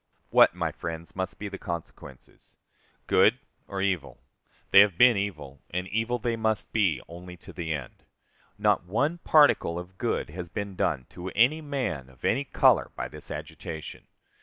What, my friends, must be the consequences? Good or evil? They have been evil, and evil they must be only to the end. Not one particle of good has been done to any man, of any color, by this agitation.